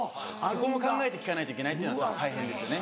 そこも考えて聞かないといけないっていうのは大変ですよね。